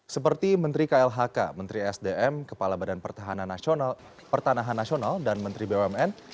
seperti menteri klhk menteri sdm kepala badan pertanahan nasional dan menteri bumn